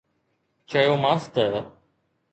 چيومانس ته